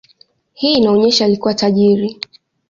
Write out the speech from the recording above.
Hii inaonyesha alikuwa tajiri.